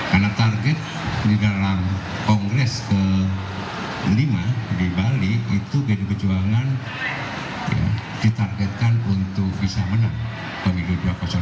karena target di dalam kongres ke lima di bali itu bd pejuangan ditargetkan untuk bisa menang pemilu dua ribu dua puluh empat